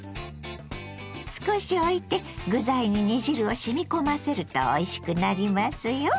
少しおいて具材に煮汁をしみ込ませるとおいしくなりますよ。